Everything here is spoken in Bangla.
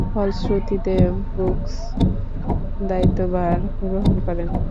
ফলশ্রুতিতে ব্রুকস দায়িত্বভার গ্রহণ করেন।